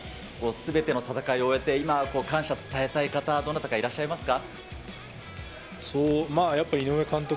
すべての戦いを終えて、今、感謝、伝えたい方、どなたかいらっしゃいますか？